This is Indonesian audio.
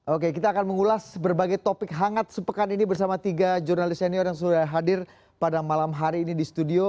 oke kita akan mengulas berbagai topik hangat sepekan ini bersama tiga jurnalis senior yang sudah hadir pada malam hari ini di studio